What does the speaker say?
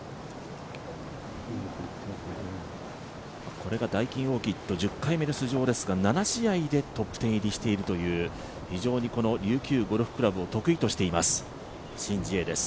これがダイキンオーキッド１０回めの出場ですが７試合でトップ１０入りしているという琉球ゴルフ倶楽部を得意としています、シン・ジエです。